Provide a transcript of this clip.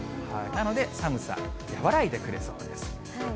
なので、寒さ和らいでくれそうです。